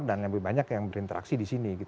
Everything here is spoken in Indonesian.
dan lebih banyak yang berinteraksi di sini gitu